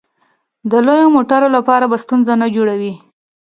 د لویو موټرو لپاره به ستونزې نه جوړوې.